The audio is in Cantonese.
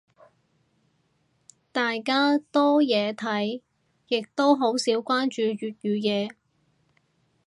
大家多嘢睇，亦都好少關注粵語嘢。